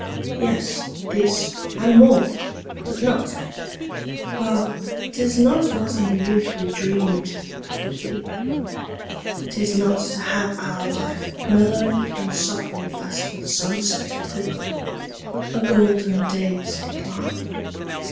Yes, this, and more; but not Ah, 'tis not what in youth we dream'd 'twould be! 'Tis not to have our life Mellow'd and soften'd as with sunset glow, A golden day's decline.